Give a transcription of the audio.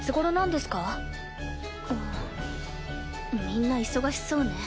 みんな忙しそうね。